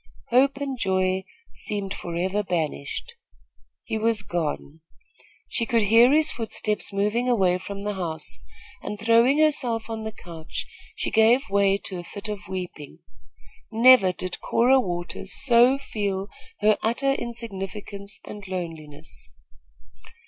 Hope and joy seemed forever banished. He was gone. She could hear his footsteps moving away from the house, and, throwing herself on the couch, she gave way to a fit of weeping. Never did Cora Waters so feel her utter insignificance and loneliness.